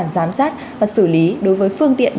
giám sát và xử lý đối với phương tiện